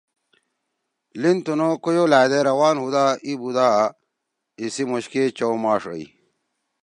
لین تنُو کویو لھأدے روان ہُودا ای بُودا ایسی موشکے چؤ ماݜ اَئی۔